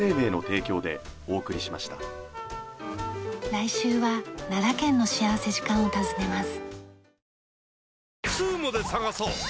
来週は奈良県の幸福時間を訪ねます。